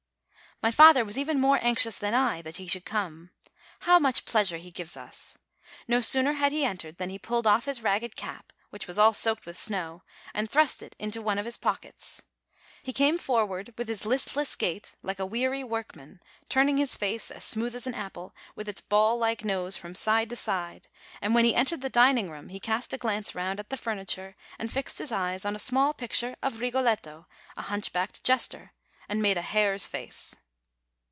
My father was even more anxious than I that he should come. How much pleasure he gives us! No sooner had he entered than he pulled off his ragged cap, which was all soaked with snow, and thrust it into one of his pockets. He came forward with his listless gait, like a weary workman, turning his face, as smooth as an apple, with its ball like nose, from side to side ; and when he entered the dining room, he cast a glance round at the furniture and fixed his eyes on a small picture of Rigoletto, a hunchbacked jester, and made a "hare's face."